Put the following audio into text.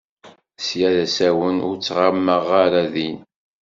Sya d asawen ur ttɣamaɣ ara din.